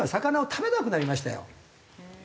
食べなくなりましたね。